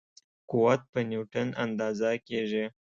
قوت په نیوټن اندازه کېږي.